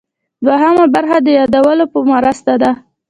دوهمه برخه د یادولو په مرسته ده.